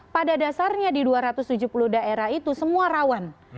pada dasarnya di dua ratus tujuh puluh daerah itu semua rawan